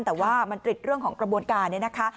แต่ว่ามันติดเรื่องของกระบวนการเนี่ยนะคะ